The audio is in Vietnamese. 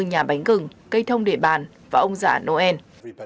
nhà bánh cừng cây thông đệ bàn và ông giả noel